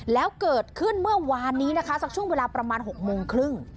แล้วเกิดขึ้นเมื่อวานนี้นะคะสักช่วงเวลาประมาณ๖โมงครึ่ง